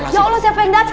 ya allah siapa yang datang